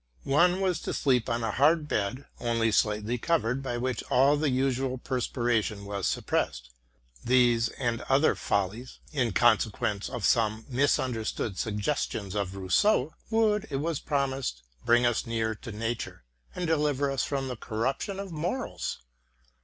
One was to sleep on a hard bed, only slightly covered, by which all the usual perspiration was suppressed. These and other follies, in consequence of some misunderstood suggestions of Rous seau, would, it was promised, bring us nearer to nature, and deliver us from the corruption of morals.